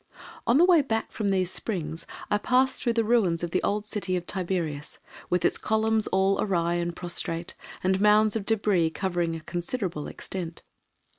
On the way back from these springs I passed through the ruins of the old city of Tiberias, with its columns all awry and prostrate, and mounds of débris covering a considerable extent.